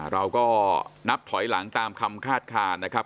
เราก็นับถอยหลังตามคำคาดคานนะครับ